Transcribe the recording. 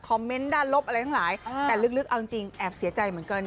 เมนต์ด้านลบอะไรทั้งหลายแต่ลึกเอาจริงแอบเสียใจเหมือนกัน